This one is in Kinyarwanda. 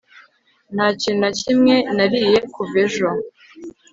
nta kintu na kimwe nariye kuva ejo